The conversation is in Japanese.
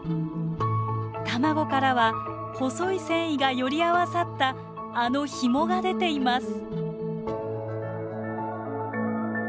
卵からは細い繊維がより合わさったあのヒモが出ています。